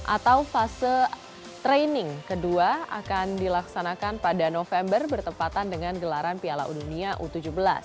atau fase training kedua akan dilaksanakan pada november bertempatan dengan gelaran piala dunia u tujuh belas